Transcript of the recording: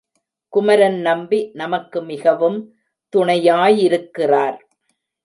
குமரன்நம்பி நமக்கு மிகவும் துணையாயிருக்கிறார்.